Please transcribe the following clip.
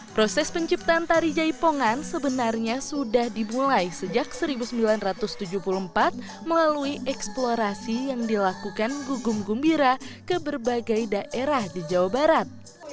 proses penciptaan tari jaipongan sebenarnya sudah dimulai sejak seribu sembilan ratus tujuh puluh empat melalui eksplorasi yang dilakukan gugum gumbira ke berbagai daerah di jawa barat